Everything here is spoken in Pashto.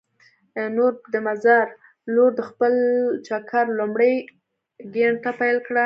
نور مو د مزار په لور د خپل چکر لومړۍ ګېنټه پیل کړه.